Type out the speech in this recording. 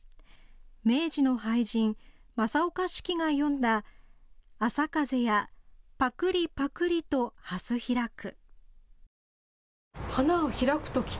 明治の俳人、正岡子規が詠んだ朝風やぱくりぱくりと蓮開く。